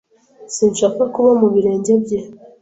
Sinshaka kuba mu birenge bye.